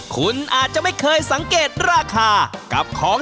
คุณอาจจะไม่เคยสังเกตราคากับของ